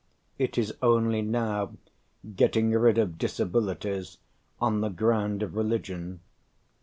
It is only now getting rid of disabilities on the ground of religion.